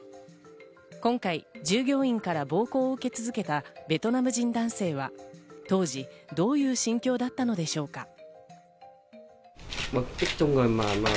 今回、従業員から暴行を受け続けたベトナム人男性は、当時どういう心境だったのでしょうか。